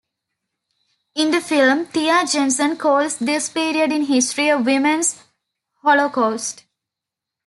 In the film, Thea Jensen calls this period in history a "Women's Holocaust".